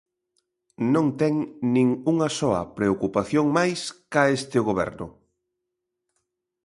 Non ten nin unha soa preocupación máis ca este Goberno.